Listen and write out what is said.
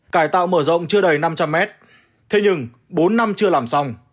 cải tạo mở rộng chưa đầy năm trăm linh mét thế nhưng bốn năm chưa làm xong